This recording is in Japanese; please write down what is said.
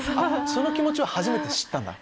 その気持ちを初めて知ったんだ。